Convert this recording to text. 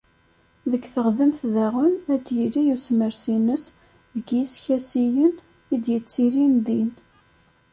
Deg teɣdemt daɣen, ad yili usemres-ines deg yiskasiyen i d-yettilin din.